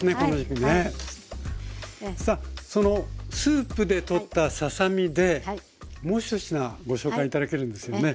さあそのスープでとったささ身でもう１品ご紹介頂けるんですよね。